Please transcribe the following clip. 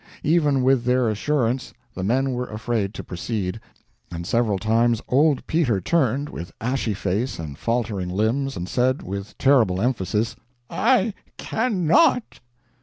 Even with their assurance the men were afraid to proceed, and several times old Peter turned, with ashy face and faltering limbs, and said, with terrible emphasis, "I CANNOT!"